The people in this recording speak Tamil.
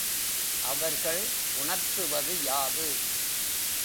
அவர்கள் உணர்த்துவது யாது?